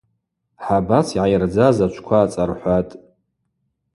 Хӏабац йгӏайырдзаз ачвква ацӏархӏватӏ.